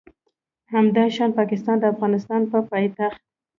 همداشان پاکستان د افغانستان په پایتخت